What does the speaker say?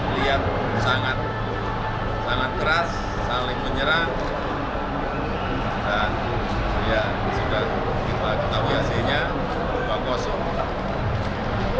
lihat sangat keras saling menyerang dan ya sudah kita ketahui hasilnya berupa kosong